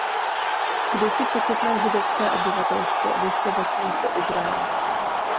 Kdysi početné židovské obyvatelstvo odešlo vesměs do Izraele.